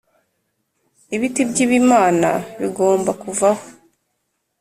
Ibiti by’ibimana bigomba kuvaho